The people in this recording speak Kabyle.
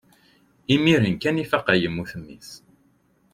imir-n kan i faqeɣ yemmut mmi-s